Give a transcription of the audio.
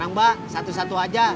tenang mbak satu satu aja